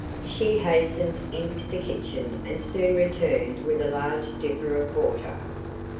She hastened into the kitchen and soon returned with a large dipper of water.